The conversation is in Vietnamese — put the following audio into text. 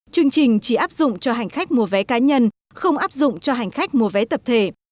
chương trình chỉ áp dụng cho hành khách mua vé cá nhân không áp dụng cho hành khách mua vé tập thể